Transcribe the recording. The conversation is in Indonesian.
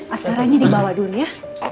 asgaranya dibawa dulu ya